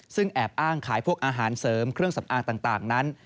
ซึ่งแอบอ้างขายพวกอาหารเสริมเครื่องสำอางต่างนั้น